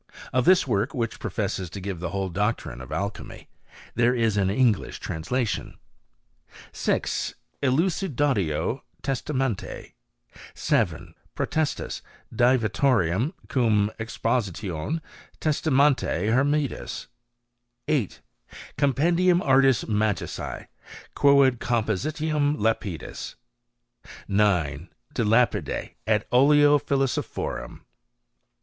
Of this work, which professes to give the whole doctrine of alchymy, there IS an English translation. 6. Elucidatio Testamenti. 7. Potestas Divitiorum cum Expositione Testa menti Hermetis. 8. Compendium Artis Magicse, quoad Composi tionem Lapidis. 9. De Lapide et Oleo Philosophorum.